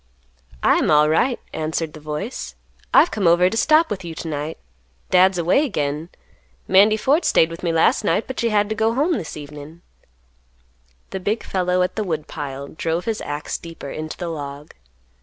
"I am alright," answered the voice; "I've come over t' stop with you to night; Dad's away again; Mandy Ford staid with me last night, but she had to go home this evenin'." The big fellow at the woodpile drove his axe deeper into the log.